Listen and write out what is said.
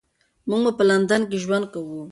موږ به په لندن کې ژوند کوو.